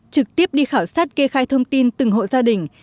trực tiếp đi khảo sát kê khai thông tin từng hộ gia đình